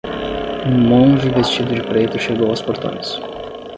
Um monge vestido de preto chegou aos portões.